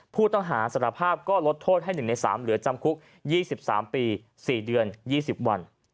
ผู้ต้องหาสารภาพก็ลดโทษให้๑ใน๓เหลือจำคุก๒๓ปี๔เดือน๒๐วัน